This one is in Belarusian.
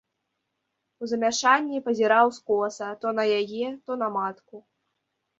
У замяшанні пазіраў скоса то на яе, то на матку.